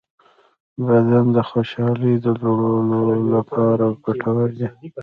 • بادام د خوشحالۍ د لوړولو لپاره ګټور دی.